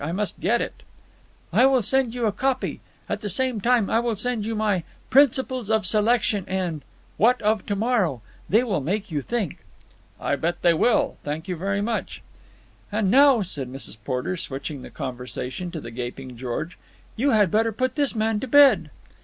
I must get it." "I will send you a copy. At the same time I will send you my 'Principles of Selection' and 'What of To morrow?' They will make you think." "I bet they will. Thank you very much." "And now," said Mrs. Porter, switching the conversation to the gaping George, "you had better put this man to bed."